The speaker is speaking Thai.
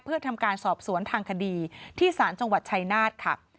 เพื่อทำการสอบสวนทางคดีที่ศาลจังหวัดชัยนาธค่ะ